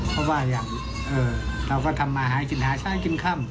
เพราะว่าเราก็ทำมาหาไฟคิดหายละหายกินค่ำ